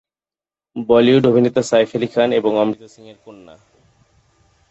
বলিউড অভিনেতা সাইফ আলি খান এবং অমৃতা সিংয়ের কন্যা।